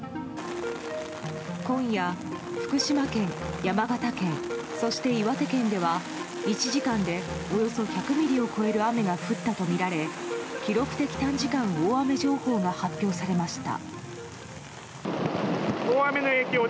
今夜、福島県、山形県そして、岩手県では１時間で、およそ１００ミリを超える雨が降ったとみられ記録的短時間大雨情報が発表されました。